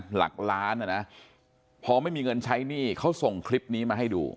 หลักล้านนะนะพอไม่มีเงินใช้หนี้เขาส่งคลิปนี้มาให้ดู